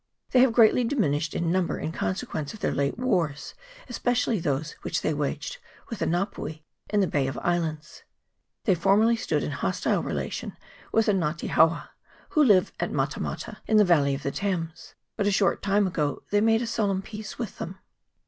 They have greatly diminished in number in conse quence of their late wars, especially those which they waged with the Nga pui in the Bay of Islands. They formerly stood in hostile relation with the Nga te hauwa, who live at Matamata, in the valley of the Thames, but a short time ago they made a solemn peace with them.